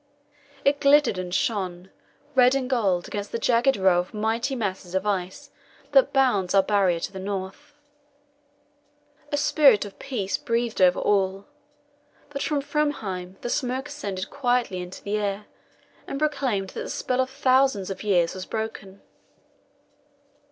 It glittered and shone, red and gold, against the jagged row of mighty masses of ice that bounds our Barrier on the north. A spirit of peace breathed over all. But from Framheim the smoke ascended quietly into the air, and proclaimed that the spell of thousands of years was broken.